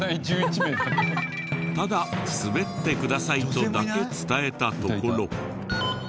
「ただ滑ってください」とだけ伝えたところ。